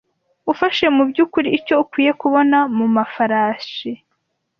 Ufashe mubyukuri icyo ukwiye kubona mumafarashi